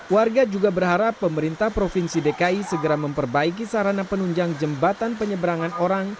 warga juga berharap pemerintah provinsi dki segera memperbaiki sarana penunjang jembatan penyeberangan orang